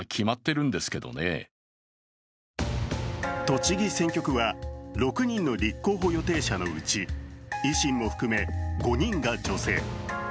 栃木選挙区は６人の立候補予定者のうち、維新も含め５人が女性。